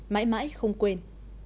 mãi mãi không quên